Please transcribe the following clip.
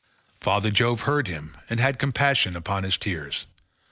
Father Jove heard him and had compassion upon his tears.